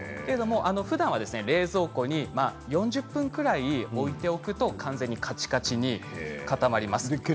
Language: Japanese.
ふだん冷蔵庫に４０分くらい置いておくと完全にかちかちに固まります。